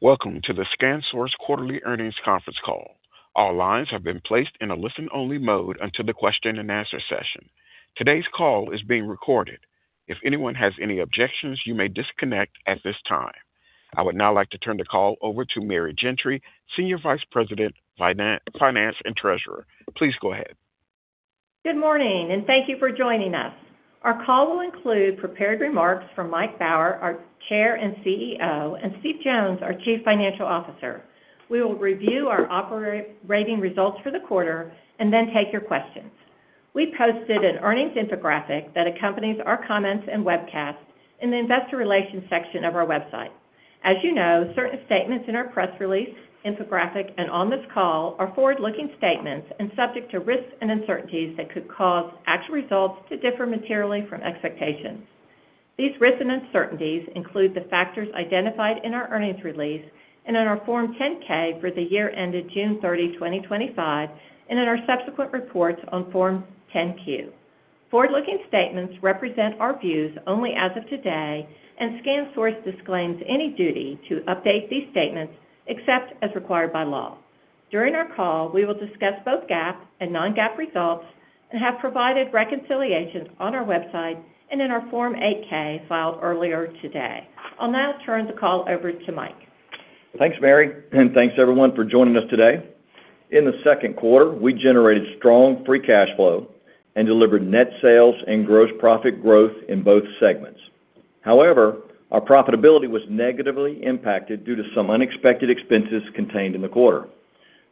Welcome to the ScanSource quarterly earnings conference call. All lines have been placed in a listen-only mode until the question-and-answer session. Today's call is being recorded. If anyone has any objections, you may disconnect at this time. I would now like to turn the call over to Mary Gentry, Senior Vice President, Finance and Treasurer. Please go ahead. Good morning, and thank you for joining us. Our call will include prepared remarks from Mike Baur, our Chair and CEO, and Steve Jones, our Chief Financial Officer. We will review our operating results for the quarter and then take your questions. We posted an earnings infographic that accompanies our comments and webcast in the Investor Relations section of our website. As you know, certain statements in our press release, infographic, and on this call are forward-looking statements and subject to risks and uncertainties that could cause actual results to differ materially from expectations. These risks and uncertainties include the factors identified in our earnings release and in our Form 10-K for the year ended June 30, 2025, and in our subsequent reports on Form 10-Q. Forward-looking statements represent our views only as of today, and ScanSource disclaims any duty to update these statements except as required by law. During our call, we will discuss both GAAP and non-GAAP results and have provided reconciliations on our website and in our Form 8-K filed earlier today. I'll now turn the call over to Mike. Thanks, Mary, and thanks, everyone, for joining us today. In the second quarter, we generated strong free cash flow and delivered net sales and gross profit growth in both segments. However, our profitability was negatively impacted due to some unexpected expenses contained in the quarter.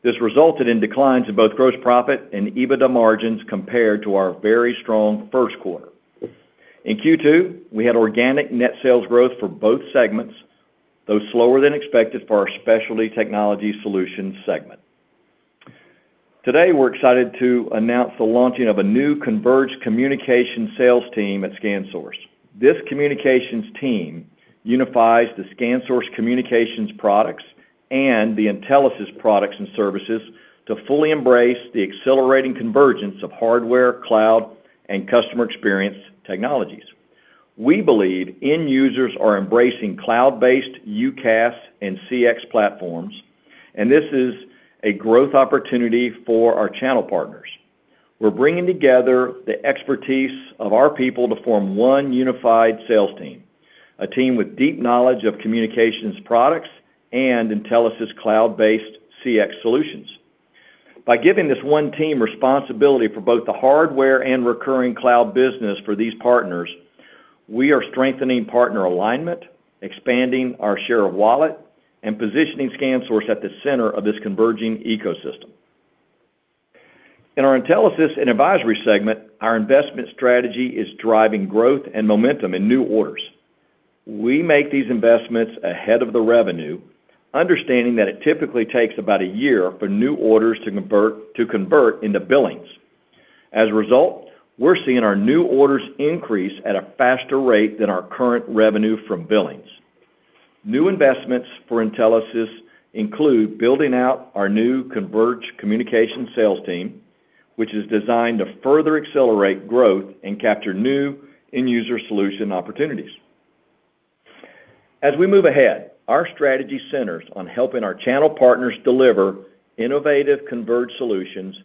This resulted in declines in both gross profit and EBITDA margins compared to our very strong first quarter. In Q2, we had organic net sales growth for both segments, though slower than expected for our Specialty Technology Solutions segment. Today, we're excited to announce the launching of a new converged communication sales team at ScanSource. This communications team unifies the ScanSource communications products and the Intelisys products and services to fully embrace the accelerating convergence of hardware, cloud, and customer experience technologies. We believe end users are embracing cloud-based UCaaS and CX platforms, and this is a growth opportunity for our channel partners. We're bringing together the expertise of our people to form one unified sales team, a team with deep knowledge of communications products and Intelisys cloud-based CX solutions. By giving this one team responsibility for both the hardware and recurring cloud business for these partners, we are strengthening partner alignment, expanding our share of wallet, and positioning ScanSource at the center of this converging ecosystem. In our Intelisys and Advisory segment, our investment strategy is driving growth and momentum in new orders. We make these investments ahead of the revenue, understanding that it typically takes about a year for new orders to convert, to convert into billings. As a result, we're seeing our new orders increase at a faster rate than our current revenue from billings. New investments for Intelisys include building out our new converged communication sales team, which is designed to further accelerate growth and capture new end-user solution opportunities. As we move ahead, our strategy centers on helping our channel partners deliver innovative, converged solutions,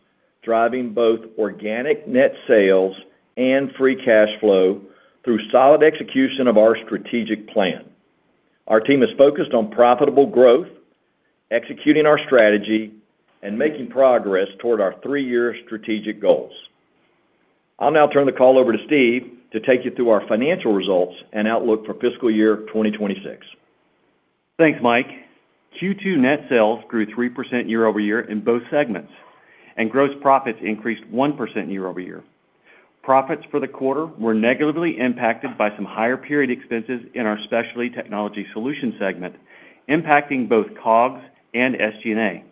driving both organic net sales and free cash flow through solid execution of our strategic plan. Our team is focused on profitable growth, executing our strategy, and making progress toward our three-year strategic goals. I'll now turn the call over to Steve to take you through our financial results and outlook for fiscal year 2026. Thanks, Mike. Q2 net sales grew 3% year-over-year in both segments, and gross profits increased 1% year-over-year. Profits for the quarter were negatively impacted by some higher period expenses in our Specialty Technology Solution segment, impacting both COGS and SG&A.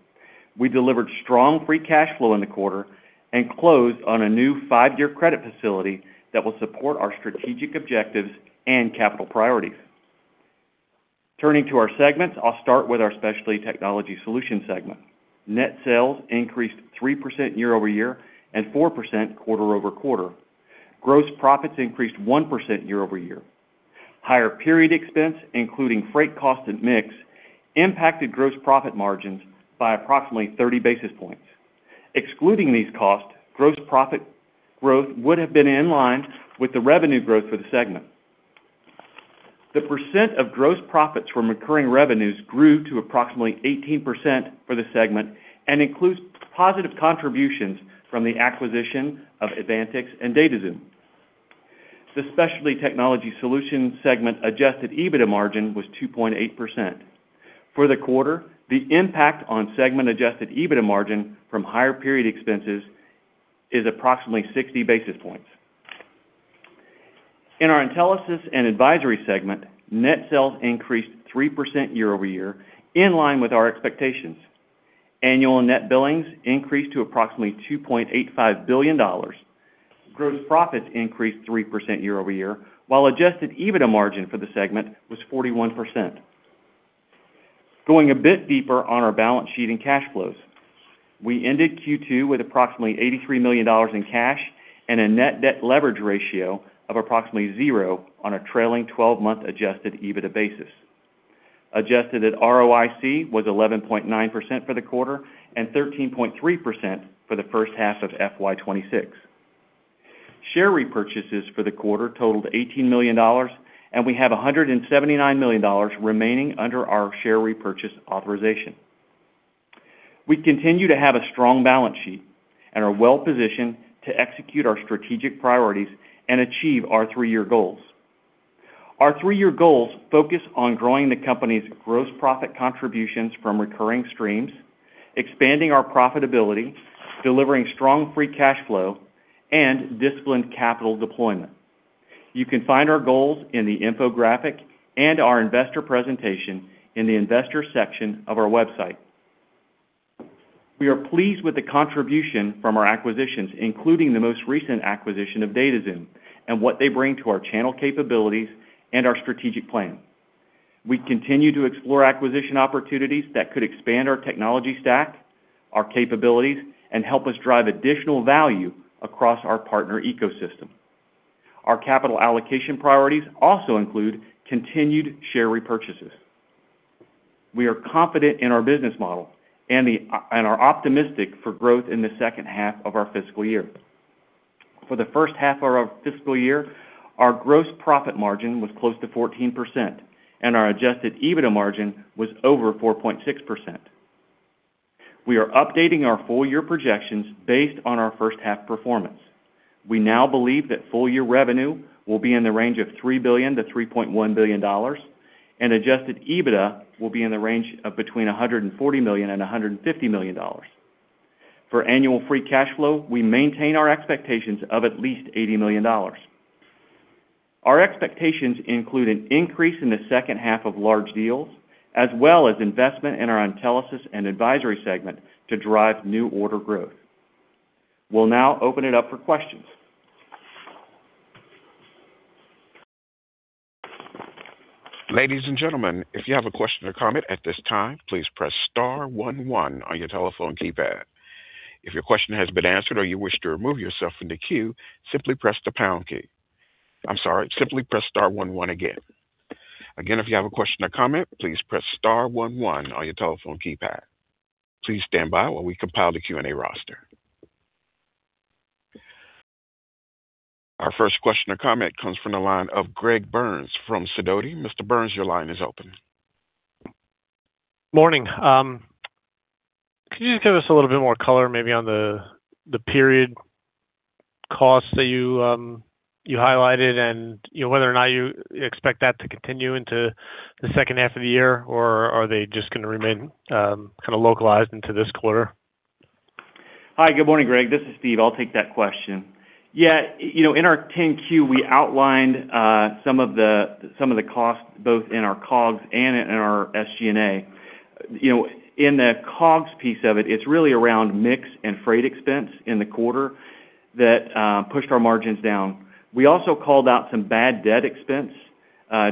We delivered strong free cash flow in the quarter and closed on a new 5-year credit facility that will support our strategic objectives and capital priorities. Turning to our segments, I'll start with our Specialty Technology Solution segment. Net sales increased 3% year-over-year and 4% quarter-over-quarter. Gross profits increased 1% year-over-year. Higher period expense, including freight cost and mix, impacted gross profit margins by approximately 30 basis points. Excluding these costs, gross profit growth would have been in line with the revenue growth for the segment. The percent of gross profits from recurring revenues grew to approximately 18% for the segment and includes positive contributions from the acquisition of Advantix and DataXoom. The Specialty Technology Solutions segment Adjusted EBITDA margin was 2.8%. For the quarter, the impact on segment Adjusted EBITDA margin from higher period expenses is approximately 60 basis points. In our Intelisys and Advisory segment, net sales increased 3% year-over-year, in line with our expectations. Annual net billings increased to approximately $2.85 billion. Gross profits increased 3% year-over-year, while Adjusted EBITDA margin for the segment was 41%. Going a bit deeper on our balance sheet and cash flows. We ended Q2 with approximately $83 million in cash and a net debt leverage ratio of approximately 0 on a trailing 12-month Adjusted EBITDA basis. Adjusted ROIC was 11.9% for the quarter and 13.3% for the first half of FY 2026. Share repurchases for the quarter totaled $18 million, and we have $179 million remaining under our share repurchase authorization. We continue to have a strong balance sheet and are well-positioned to execute our strategic priorities and achieve our three-year goals. Our three-year goals focus on growing the company's gross profit contributions from recurring streams, expanding our profitability, delivering strong free cash flow, and disciplined capital deployment. You can find our goals in the infographic and our investor presentation in the Investor section of our website. We are pleased with the contribution from our acquisitions, including the most recent acquisition of DataXoom, and what they bring to our channel capabilities and our strategic plan. We continue to explore acquisition opportunities that could expand our technology stack, our capabilities, and help us drive additional value across our partner ecosystem. Our capital allocation priorities also include continued share repurchases. We are confident in our business model and are optimistic for growth in the second half of our fiscal year. For the first half of our fiscal year, our gross profit margin was close to 14%, and our Adjusted EBITDA margin was over 4.6%. We are updating our full year projections based on our first half performance. We now believe that full year revenue will be in the range of $3 billion-$3.1 billion, and Adjusted EBITDA will be in the range of between $140 million and $150 million. For annual free cash flow, we maintain our expectations of at least $80 million. Our expectations include an increase in the second half of large deals, as well as investment in our Intelisys and advisory segment to drive new order growth. We'll now open it up for questions. Ladies and gentlemen, if you have a question or comment at this time, please press star one one on your telephone keypad. If your question has been answered or you wish to remove yourself from the queue, simply press the pound key. I'm sorry, simply press star one one again. Again, if you have a question or comment, please press star one one on your telephone keypad. Please stand by while we compile the Q&A roster. Our first question or comment comes from the line of Greg Burns from Sidoti. Mr. Burns, your line is open. Morning. Could you just give us a little bit more color, maybe on the period costs that you highlighted and, you know, whether or not you expect that to continue into the second half of the year, or are they just going to remain kind of localized into this quarter? Hi, good morning, Greg. This is Steve. I'll take that question. Yeah, you know, in our 10-Q, we outlined some of the, some of the costs, both in our COGS and in our SG&A. You know, in the COGS piece of it, it's really around mix and freight expense in the quarter that pushed our margins down. We also called out some bad debt expense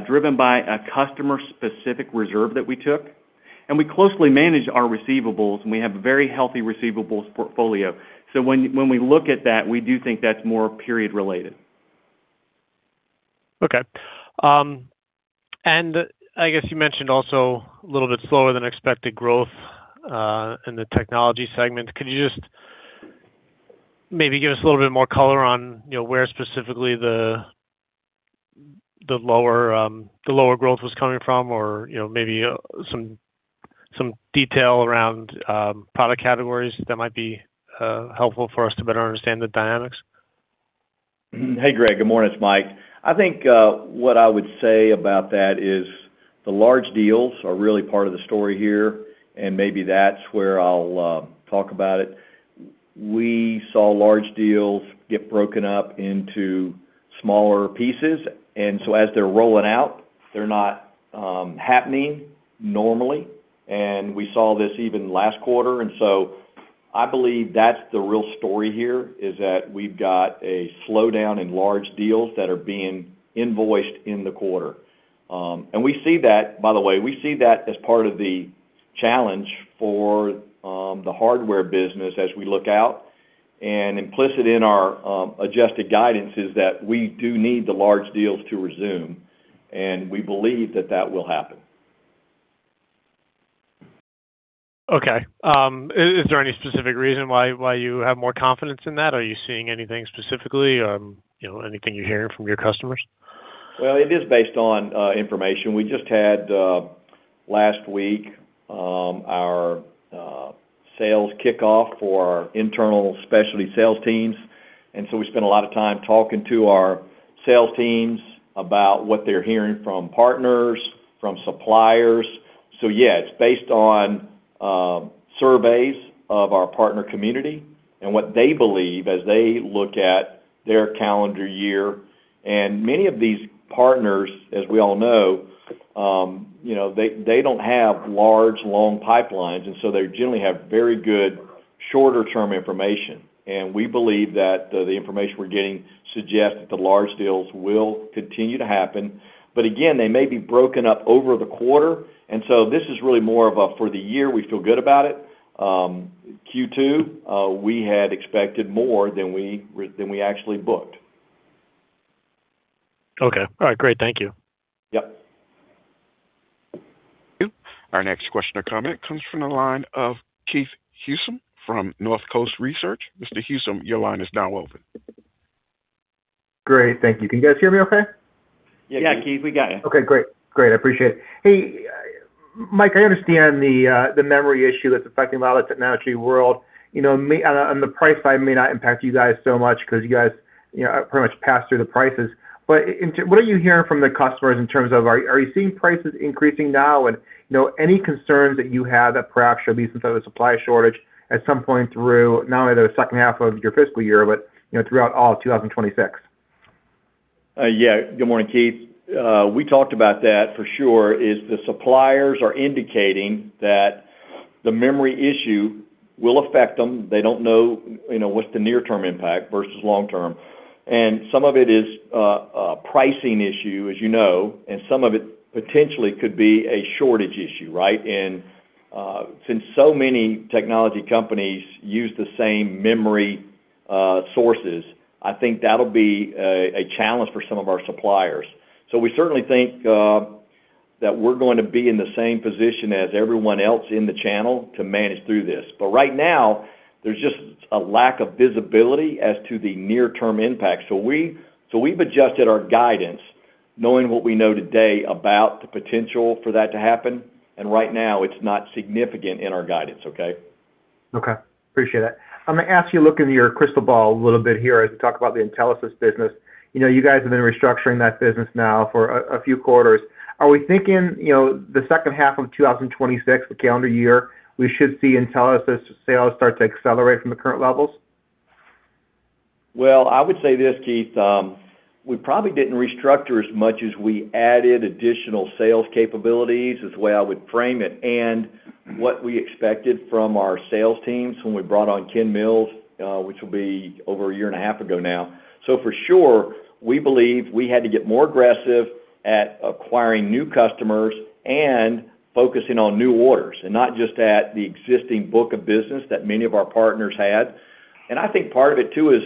driven by a customer-specific reserve that we took. And we closely manage our receivables, and we have a very healthy receivables portfolio. So when we look at that, we do think that's more period related. Okay, and I guess you mentioned also a little bit slower than expected growth in the technology segment. Could you just maybe give us a little bit more color on, you know, where specifically the lower growth was coming from, or, you know, maybe some detail around product categories that might be helpful for us to better understand the dynamics? Hey, Greg. Good morning, it's Mike. I think, what I would say about that is the large deals are really part of the story here, and maybe that's where I'll talk about it. We saw large deals get broken up into smaller pieces, and so as they're rolling out, they're not happening normally, and we saw this even last quarter, and so I believe that's the real story here, is that we've got a slowdown in large deals that are being invoiced in the quarter. And we see that, by the way, we see that as part of the challenge for the hardware business as we look out. And implicit in our adjusted guidance is that we do need the large deals to resume, and we believe that that will happen. Okay, is there any specific reason why, why you have more confidence in that? Are you seeing anything specifically, you know, anything you're hearing from your customers? Well, it is based on information. We just had last week our sales kickoff for our internal specialty sales teams, and so we spent a lot of time talking to our sales teams about what they're hearing from partners, from suppliers. So yeah, it's based on surveys of our partner community and what they believe as they look at their calendar year. And many of these partners, as we all know, you know, they, they don't have large, long pipelines, and so they generally have very good shorter-term information. And we believe that the information we're getting suggests that the large deals will continue to happen. But again, they may be broken up over the quarter, and so this is really more of a for the year, we feel good about it. Q2, we had expected more than we actually booked.... Okay. All right, great. Thank you. Yep. Our next question or comment comes from the line of Keith Housum from Northcoast Research. Mr. Housum, your line is now open. Great. Thank you. Can you guys hear me okay? Yeah, Keith, we got you. Okay, great. Great. I appreciate it. Hey, Mike, I understand the memory issue that's affecting a lot of the technology world. You know, maybe on the price side, it may not impact you guys so much 'cause you guys, you know, pretty much pass through the prices. But in terms, what are you hearing from the customers in terms of are, are you seeing prices increasing now? And, you know, any concerns that you have that perhaps should be since there's a supply shortage at some point through not only the second half of your fiscal year, but, you know, throughout all of 2026? Yeah. Good morning, Keith. We talked about that for sure, is the suppliers are indicating that the memory issue will affect them. They don't know, you know, what's the near-term impact versus long-term. And some of it is a pricing issue, as you know, and some of it potentially could be a shortage issue, right? And since so many technology companies use the same memory sources, I think that'll be a challenge for some of our suppliers. So we certainly think that we're going to be in the same position as everyone else in the channel to manage through this. But right now, there's just a lack of visibility as to the near-term impact. So we've adjusted our guidance, knowing what we know today about the potential for that to happen, and right now, it's not significant in our guidance. Okay? Okay. Appreciate it. I'm going to ask you to look into your crystal ball a little bit here as we talk about the Intelisys business. You know, you guys have been restructuring that business now for a few quarters. Are we thinking, you know, the second half of 2026, the calendar year, we should see Intelisys sales start to accelerate from the current levels? Well, I would say this, Keith, we probably didn't restructure as much as we added additional sales capabilities, is the way I would frame it, and what we expected from our sales teams when we brought on Ken Mills, which will be over a year and a half ago now. So for sure, we believe we had to get more aggressive at acquiring new customers and focusing on new orders, and not just at the existing book of business that many of our partners had. I think part of it, too, is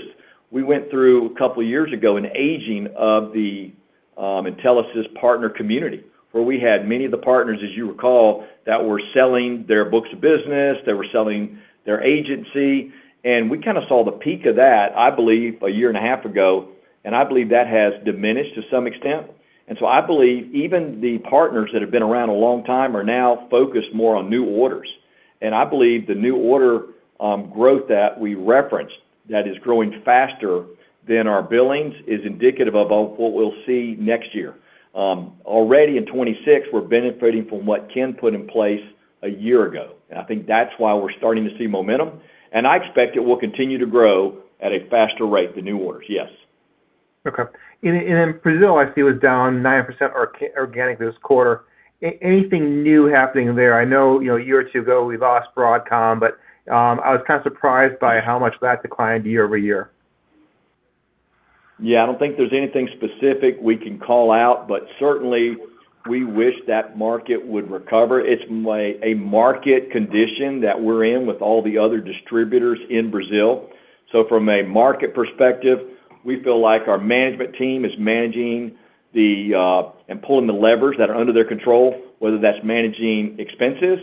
we went through, a couple of years ago, an aging of the Intelisys partner community, where we had many of the partners, as you recall, that were selling their books of business, they were selling their agency, and we kind of saw the peak of that, I believe, a year and a half ago, and I believe that has diminished to some extent. So I believe even the partners that have been around a long time are now focused more on new orders. And I believe the new order growth that we referenced, that is growing faster than our billings, is indicative of what we'll see next year. Already in 2026, we're benefiting from what Ken put in place a year ago. I think that's why we're starting to see momentum, and I expect it will continue to grow at a faster rate than new orders. Yes. Okay. Brazil, I see, was down 9% organic this quarter. Anything new happening there? I know, you know, a year or two ago, we lost Broadcom, but I was kind of surprised by how much that declined year-over-year. Yeah, I don't think there's anything specific we can call out, but certainly, we wish that market would recover. It's like a market condition that we're in with all the other distributors in Brazil. So from a market perspective, we feel like our management team is managing the and pulling the levers that are under their control, whether that's managing expenses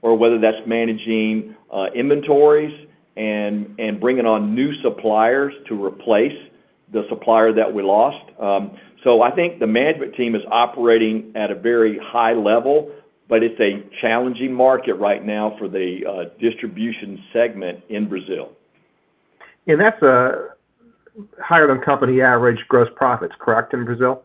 or whether that's managing inventories and bringing on new suppliers to replace the supplier that we lost. So I think the management team is operating at a very high level, but it's a challenging market right now for the distribution segment in Brazil. That's a higher-than-company average gross profits, correct, in Brazil?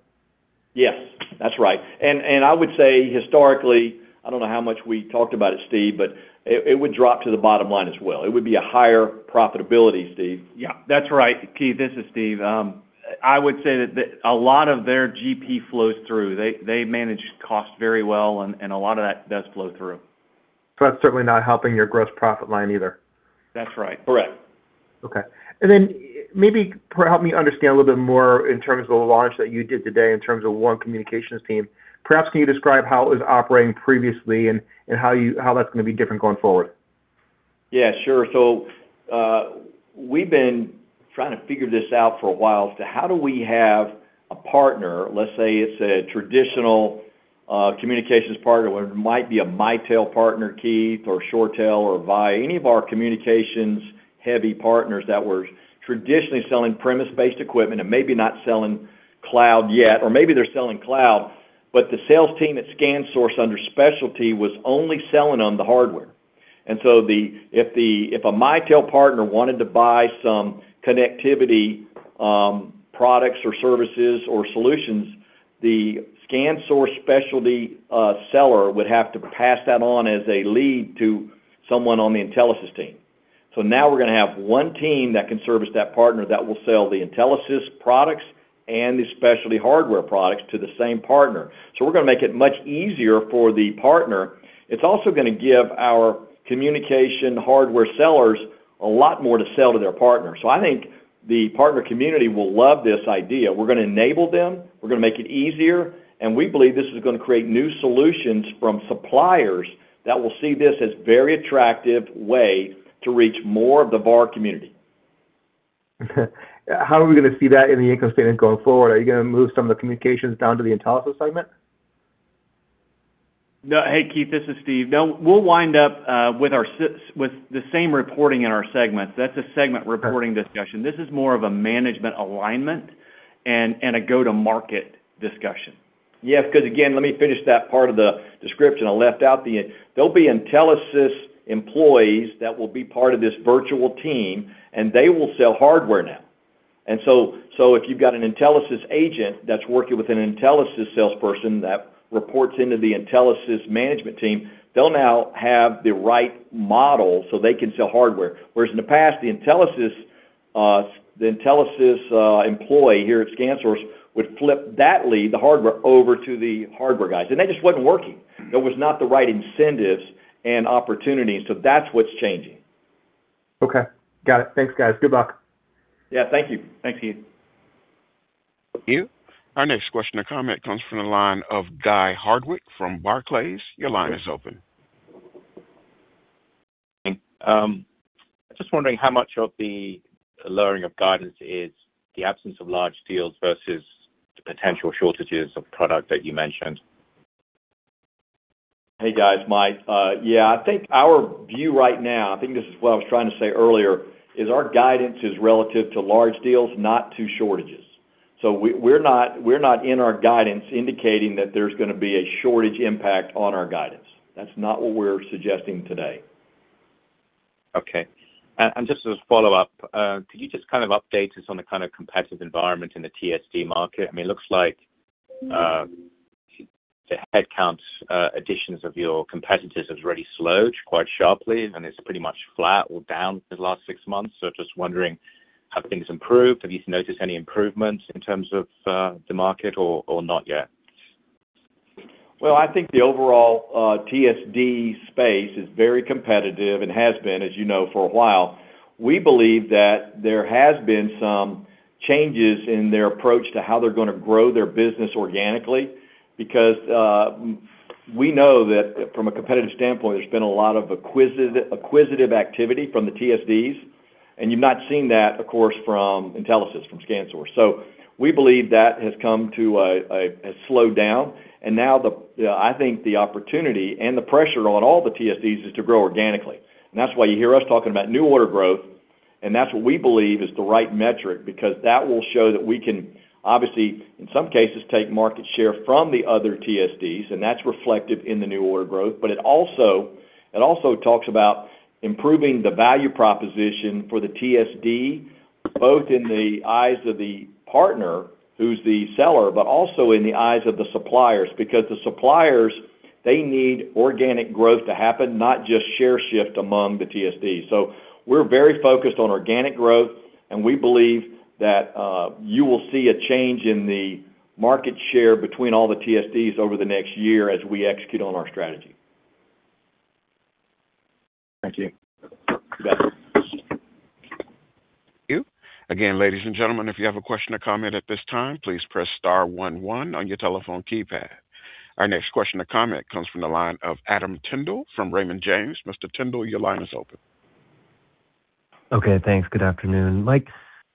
Yes, that's right. And I would say, historically, I don't know how much we talked about it, Steve, but it would drop to the bottom line as well. It would be a higher profitability, Steve. Yeah, that's right. Keith, this is Steve. I would say that a lot of their GP flows through. They, they manage costs very well, and, and a lot of that does flow through. That's certainly not helping your gross profit line either. That's right. Correct. Okay. Then maybe help me understand a little bit more in terms of the launch that you did today, in terms of one communications team. Perhaps, can you describe how it was operating previously and how that's going to be different going forward? Yeah, sure. So, we've been trying to figure this out for a while, as to how do we have a partner, let's say it's a traditional communications partner, or it might be a Mitel partner, Keith, or ShoreTel, or Avaya, any of our communications-heavy partners that were traditionally selling premise-based equipment and maybe not selling cloud yet, or maybe they're selling cloud, but the sales team at ScanSource, under Specialty, was only selling on the hardware. And so if a Mitel partner wanted to buy some connectivity products or services or solutions, the ScanSource Specialty seller would have to pass that on as a lead to someone on the Intelisys team. So now we're going to have one team that can service that partner, that will sell the Intelisys products and the Specialty hardware products to the same partner. So we're going to make it much easier for the partner. It's also going to give our communication hardware sellers a lot more to sell to their partners. So I think the partner community will love this idea. We're going to enable them, we're going to make it easier, and we believe this is going to create new solutions from suppliers that will see this as very attractive way to reach more of the VAR community. How are we going to see that in the income statement going forward? Are you going to move some of the communications down to the Intelisys segment?... No, hey, Keith, this is Steve. No, we'll wind up with the same reporting in our segments. That's a segment reporting discussion. This is more of a management alignment and a go-to-market discussion. Yes, 'cause again, let me finish that part of the description. I left out the end. There'll be Intelisys employees that will be part of this virtual team, and they will sell hardware now. And so, so if you've got an Intelisys agent that's working with an Intelisys salesperson that reports into the Intelisys management team, they'll now have the right model so they can sell hardware. Whereas in the past, the Intelisys employee here at ScanSource would flip that lead, the hardware, over to the hardware guys, and that just wasn't working. There was not the right incentives and opportunities, so that's what's changing. Okay, got it. Thanks, guys. Good luck. Yeah, thank you. Thanks, Keith. Thank you. Our next question or comment comes from the line of Guy Hardwick from Barclays. Your line is open. Just wondering how much of the lowering of guidance is the absence of large deals versus the potential shortages of product that you mentioned? Hey, guys, Mike. Yeah, I think our view right now, I think this is what I was trying to say earlier, is our guidance is relative to large deals, not to shortages. So we, we're not, we're not in our guidance, indicating that there's gonna be a shortage impact on our guidance. That's not what we're suggesting today. Okay. And just as a follow-up, could you just kind of update us on the kind of competitive environment in the TSD market? I mean, it looks like the headcounts additions of your competitors have already slowed quite sharply, and it's pretty much flat or down for the last six months. So just wondering, have things improved? Have you noticed any improvements in terms of the market or not yet? Well, I think the overall TSD space is very competitive and has been, as you know, for a while. We believe that there has been some changes in their approach to how they're gonna grow their business organically, because we know that from a competitive standpoint, there's been a lot of acquisitive activity from the TSDs, and you've not seen that, of course, from Intelisys, from ScanSource. So we believe that has slowed down, and now I think the opportunity and the pressure on all the TSDs is to grow organically. And that's why you hear us talking about new order growth, and that's what we believe is the right metric, because that will show that we can obviously, in some cases, take market share from the other TSDs, and that's reflective in the new order growth. But it also, it also talks about improving the value proposition for the TSD, both in the eyes of the partner, who's the seller, but also in the eyes of the suppliers. Because the suppliers, they need organic growth to happen, not just share shift among the TSDs. So we're very focused on organic growth, and we believe that, you will see a change in the market share between all the TSDs over the next year as we execute on our strategy. Thank you. You bet. Again, ladies and gentlemen, if you have a question or comment at this time, please press star one one on your telephone keypad. Our next question or comment comes from the line of Adam Tindle from Raymond James. Mr. Tindle, your line is open. Okay, thanks. Good afternoon. Mike,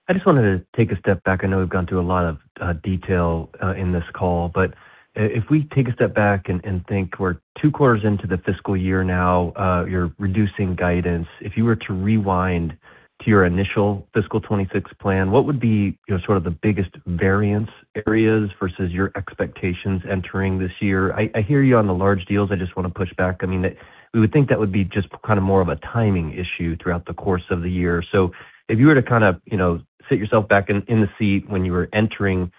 I just wanted to take a step back. I know we've gone through a lot of detail in this call, but if we take a step back and think, we're two quarters into the fiscal year now, you're reducing guidance. If you were to rewind to your initial fiscal 2026 plan, what would be, you know, sort of the biggest variance areas versus your expectations entering this year? I hear you on the large deals. I just want to push back. I mean, that we would think that would be just kind of more of a timing issue throughout the course of the year. So if you were to kind of, you know, sit yourself back in the seat when you were entering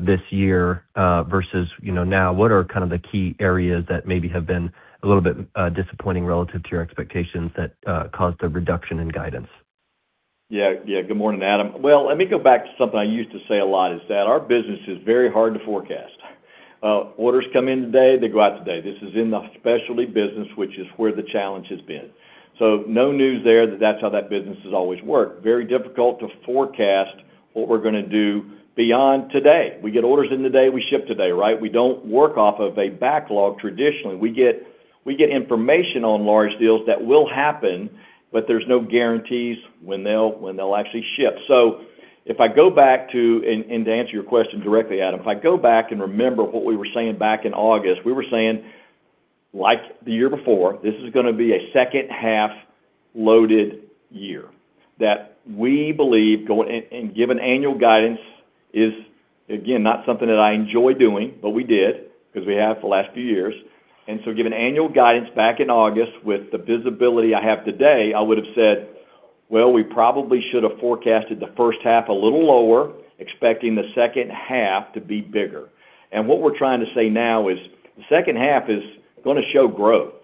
this year versus, you know, now, what are kind of the key areas that maybe have been a little bit disappointing relative to your expectations that caused the reduction in guidance? Yeah, yeah. Good morning, Adam. Well, let me go back to something I used to say a lot, is that our business is very hard to forecast. Orders come in today, they go out today. This is in the specialty business, which is where the challenge has been. So no news there, that's how that business has always worked. Very difficult to forecast what we're gonna do beyond today. We get orders in today, we ship today, right? We don't work off of a backlog, traditionally. We get information on large deals that will happen, but there's no guarantees when they'll actually ship. And to answer your question directly, Adam, if I go back and remember what we were saying back in August, we were saying, like the year before, this is gonna be a second half-loaded year. That we believe go and giving annual guidance is, again, not something that I enjoy doing, but we did because we have for the last few years. So giving annual guidance back in August with the visibility I have today, I would have said, "Well, we probably should have forecasted the first half a little lower, expecting the second half to be bigger." And what we're trying to say now is, the second half is gonna show growth.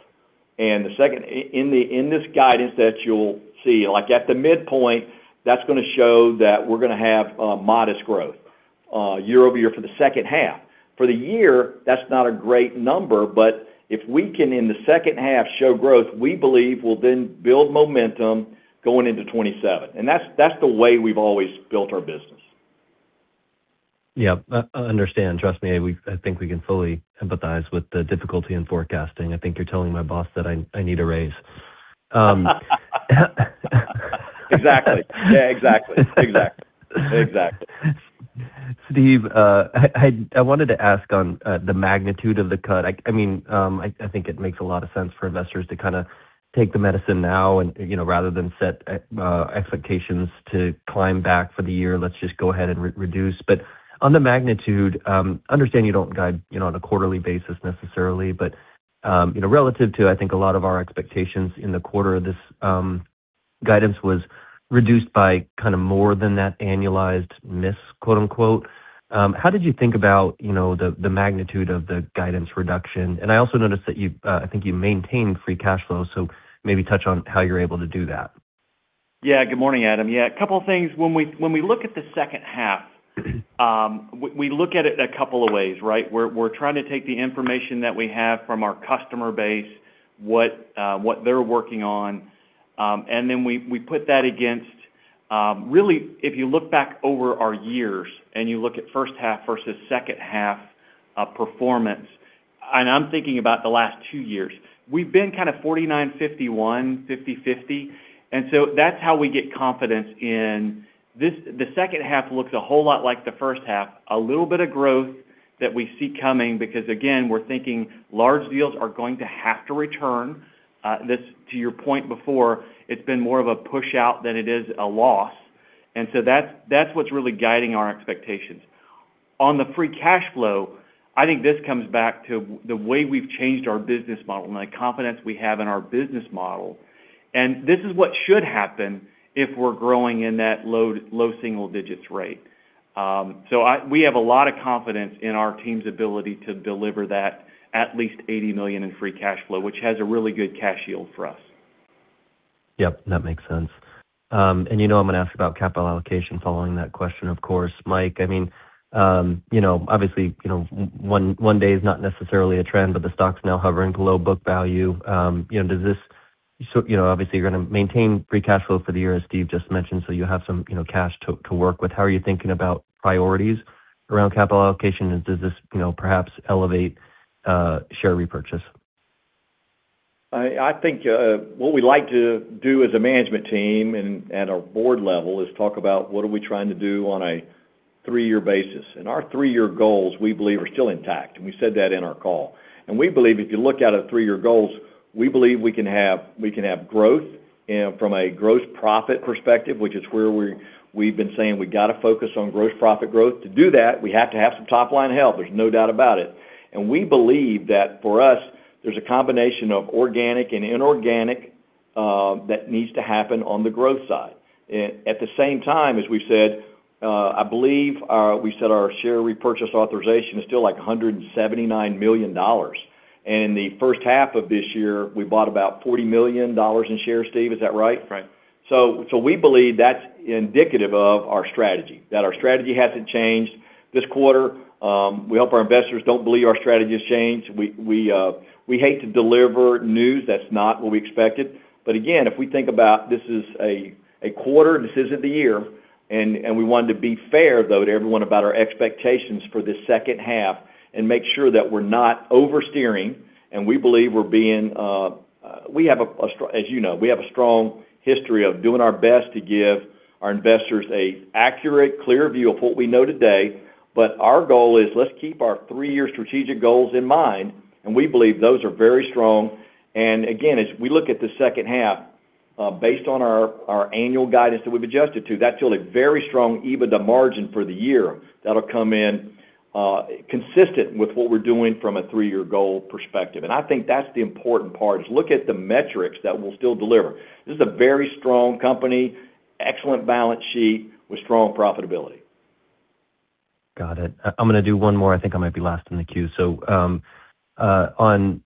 And the second in this guidance that you'll see, like at the midpoint, that's gonna show that we're gonna have modest growth year-over-year for the second half. For the year, that's not a great number, but if we can, in the second half, show growth, we believe we'll then build momentum going into 2027. And that's the way we've always built our business. Yeah, I understand. Trust me, I think we can fully empathize with the difficulty in forecasting. I think you're telling my boss that I need a raise.... Exactly. Yeah, exactly. Exactly, exactly. Steve, I wanted to ask on the magnitude of the cut. I mean, I think it makes a lot of sense for investors to kind of take the medicine now and, you know, rather than set expectations to climb back for the year, let's just go ahead and reduce. But on the magnitude, understand you don't guide, you know, on a quarterly basis necessarily, but, you know, relative to, I think, a lot of our expectations in the quarter, this guidance was reduced by kind of more than that annualized "miss," quote, unquote. How did you think about, you know, the magnitude of the guidance reduction? And I also noticed that you, I think you maintained free cash flow, so maybe touch on how you're able to do that. Yeah. Good morning, Adam. Yeah, a couple things. When we look at the second half, we look at it a couple of ways, right? We're trying to take the information that we have from our customer base, what they're working on, and then we put that against... Really, if you look back over our years, and you look at first half versus second half performance, and I'm thinking about the last two years, we've been kind of 49, 51, 50/50. And so that's how we get confidence in this, the second half looks a whole lot like the first half, a little bit of growth that we see coming, because again, we're thinking large deals are going to have to return. This, to your point before, it's been more of a pushout than it is a loss, and so that's, that's what's really guiding our expectations. On the free cash flow, I think this comes back to the way we've changed our business model and the confidence we have in our business model, and this is what should happen if we're growing in that low, low single digits rate. We have a lot of confidence in our team's ability to deliver that at least $80 million in free cash flow, which has a really good cash yield for us. Yep, that makes sense. And you know I'm gonna ask about capital allocation following that question, of course. Mike, I mean, you know, obviously, one day is not necessarily a trend, but the stock's now hovering below book value. You know, does this, so, you know, obviously, you're gonna maintain free cash flow for the year, as Steve just mentioned, so you have some, you know, cash to work with. How are you thinking about priorities around capital allocation, and does this, you know, perhaps elevate share repurchase? I think what we like to do as a management team and at our board level is talk about what we are trying to do on a three-year basis, and our three-year goals, we believe, are still intact, and we said that in our call. And we believe if you look at our three-year goals, we believe we can have, we can have growth, and from a gross profit perspective, which is where we've been saying we've got to focus on gross profit growth. To do that, we have to have some top-line help, there's no doubt about it. And we believe that for us, there's a combination of organic and inorganic that needs to happen on the growth side. And at the same time, as we've said, I believe we said our share repurchase authorization is still, like, $179 million. In the first half of this year, we bought about $40 million in shares. Steve, is that right? Right. So we believe that's indicative of our strategy, that our strategy hasn't changed. This quarter, we hope our investors don't believe our strategy has changed. We hate to deliver news that's not what we expected. But again, if we think about this is a quarter, this isn't the year, and we wanted to be fair, though, to everyone about our expectations for this second half and make sure that we're not oversteering, and we believe we're being, as you know, we have a strong history of doing our best to give our investors an accurate, clear view of what we know today. But our goal is, let's keep our three-year strategic goals in mind, and we believe those are very strong. And again, as we look at the second half, based on our annual guidance that we've adjusted to, that's still a very strong EBITDA margin for the year that'll come in, consistent with what we're doing from a three-year goal perspective, and I think that's the important part, is look at the metrics that we'll still deliver. This is a very strong company, excellent balance sheet with strong profitability. Got it. I'm gonna do one more. I think I might be last in the queue. So, on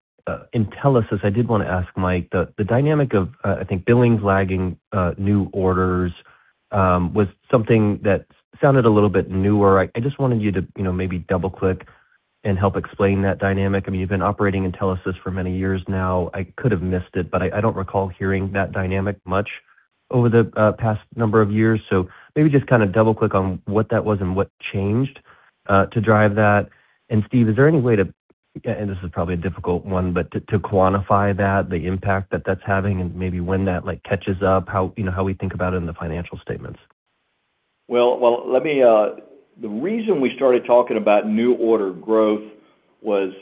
Intelisys, I did want to ask, Mike, the dynamic of, I think, billings lagging, new orders, was something that sounded a little bit newer. I just wanted you to, you know, maybe double-click and help explain that dynamic. I mean, you've been operating Intelisys for many years now. I could have missed it, but I don't recall hearing that dynamic much over the past number of years. So maybe just kind of double-click on what that was and what changed to drive that. And Steve, is there any way to, and this is probably a difficult one, but to quantify that, the impact that that's having, and maybe when that catches up, how, you know, how we think about it in the financial statements? Well, well, let me... The reason we started talking about new order growth was,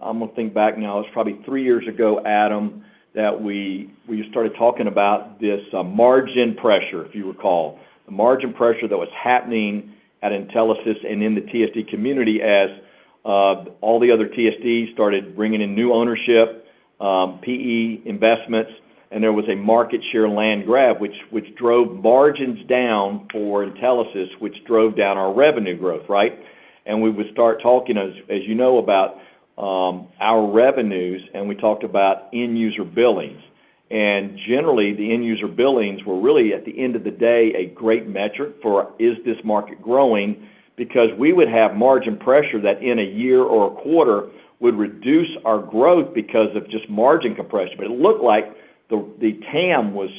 I'm gonna think back now, it was probably three years ago, Adam, that we, we started talking about this, margin pressure, if you recall. The margin pressure that was happening at Intelisys and in the TSD community as, all the other TSDs started bringing in new ownership, PE investments, and there was a market share land grab, which, which drove margins down for Intelisys, which drove down our revenue growth, right? And we would start talking, as, as you know, about, our revenues, and we talked about end user billings. And generally, the end user billings were really, at the end of the day, a great metric for, is this market growing? Because we would have margin pressure that in a year or a quarter would reduce our growth because of just margin compression. But it looked like the TAM was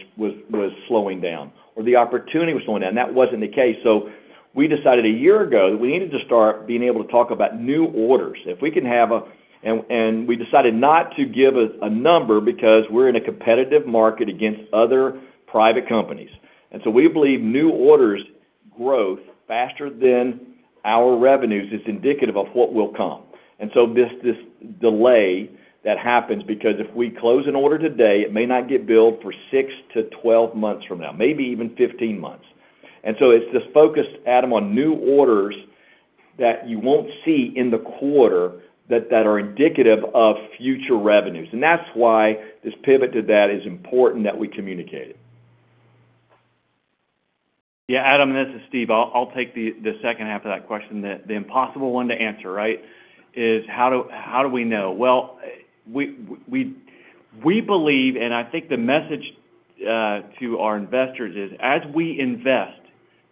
slowing down, or the opportunity was slowing down, and that wasn't the case. So-... We decided a year ago that we needed to start being able to talk about new orders. If we can have a number, and we decided not to give a number because we're in a competitive market against other private companies. And so we believe new orders growth faster than our revenues is indicative of what will come. And so this delay that happens, because if we close an order today, it may not get billed for 6-12 months from now, maybe even 15 months. And so it's this focus, Adam, on new orders that you won't see in the quarter that are indicative of future revenues. And that's why this pivot to that is important that we communicate it. Yeah, Adam, this is Steve. I'll take the second half of that question. The impossible one to answer, right, is how do we know? Well, we believe, and I think the message to our investors is as we invest,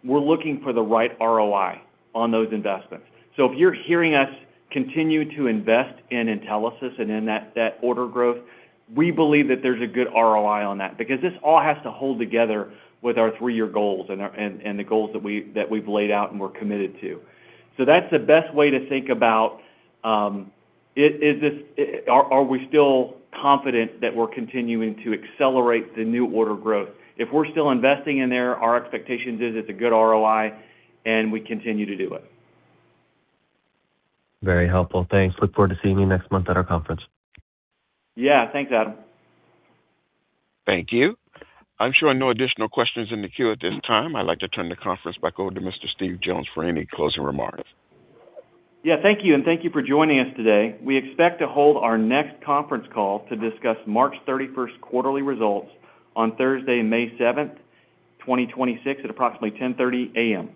we're looking for the right ROI on those investments. So if you're hearing us continue to invest in Intelisys and in that order growth, we believe that there's a good ROI on that, because this all has to hold together with our three-year goals and the goals that we've laid out and we're committed to. So that's the best way to think about is this? Are we still confident that we're continuing to accelerate the new order growth? If we're still investing in there, our expectation is it's a good ROI, and we continue to do it. Very helpful. Thanks. Look forward to seeing you next month at our conference. Yeah. Thanks, Adam. Thank you. I'm showing no additional questions in the queue at this time. I'd like to turn the conference back over to Mr. Steve Jones for any closing remarks. Yeah, thank you, and thank you for joining us today. We expect to hold our next conference call to discuss March 31st quarterly results on Thursday, May 7, 2026, at approximately 10:30 A.M.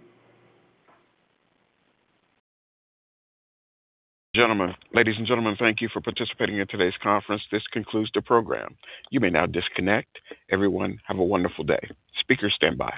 Gentlemen. Ladies and gentlemen, thank you for participating in today's conference. This concludes the program. You may now disconnect. Everyone, have a wonderful day. Speakers, stand by.